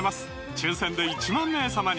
抽選で１万名様に！